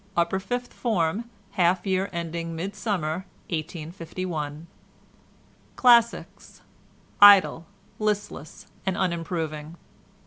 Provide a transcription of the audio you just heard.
UPPER FIFTH FORM, HALF YEAR ENDING MIDSUMMER 1851 Classics—Idle, listless and unimproving.